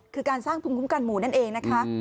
คือการสร้างภูมิคุ้มกันหมู่นั่นเองนะคะ